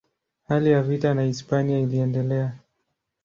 Hali ya vita na Hispania iliendelea.